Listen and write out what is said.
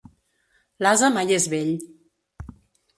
L'ase mai és vell.